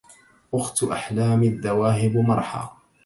أخت أحلامي الذواهب مرحى